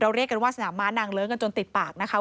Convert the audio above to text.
เรียกกันว่าสนามม้านางเลิ้งกันจนติดปากนะคะ